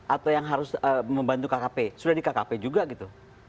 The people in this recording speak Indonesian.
atau yang harus membantu kkp sudah di kkp juga gitu